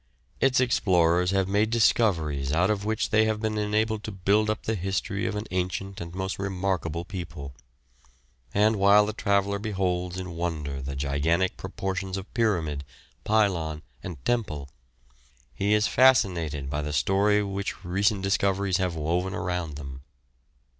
Its explorers have made discoveries out of which they have been enabled to build up the history of an ancient and most remarkable people; and while the traveller beholds in wonder the gigantic proportions of pyramid, pylon and temple, he is fascinated by the story which recent discoveries have woven around them.